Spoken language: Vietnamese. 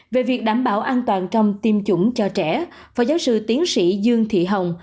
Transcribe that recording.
về việc đảm bảo an toàn trong tiêm chủng cho trẻ phó giáo sư tiến sĩ dương thị hồng